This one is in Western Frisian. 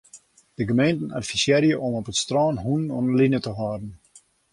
De gemeenten advisearje om op it strân hûnen oan 'e line te hâlden.